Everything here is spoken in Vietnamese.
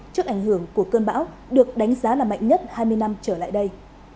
trước ảnh hưởng của cơn bão được đánh giá là mạnh nhất hai mươi năm trở lại đây